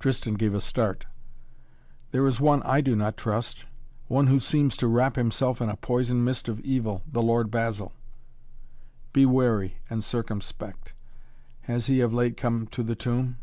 Tristan gave a start. "There is one I do not trust one who seems to wrap himself in a poison mist of evil the Lord Basil." "Be wary and circumspect. Has he of late come to the Tomb?"